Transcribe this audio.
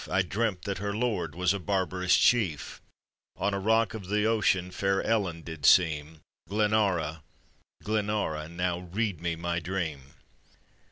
I dreamt that her lord was a barbarous chief; On a rock of the ocean fair Kllen did seem; Glenara! Glenara! now read me my dream!"